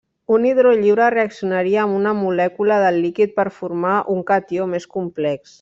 Un hidró lliure reaccionaria amb una molècula del líquid per formar un catió més complex.